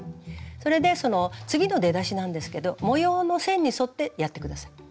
それで次の出だしなんですけど模様の線に沿ってやって下さい。